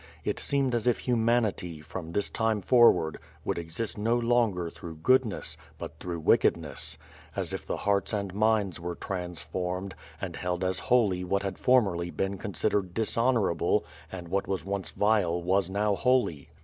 It seemed as if human ity, from this time forward would exist no longer through goodness, but through wickedness; as if the hparts and minds were transformed, and held as holy what had formerly been considered dishonorable and w hnt was once vile was now holy.